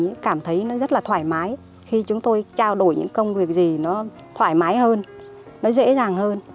thì cảm thấy nó rất là thoải mái khi chúng tôi trao đổi những công việc gì nó thoải mái hơn nó dễ dàng hơn